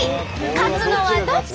勝つのはどっち！？